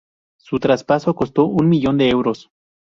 Su traspaso costó un millón de euros.